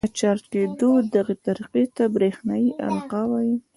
د چارج کېدو دغې طریقې ته برېښنايي القاء وايي.